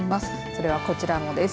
それはこちらもです。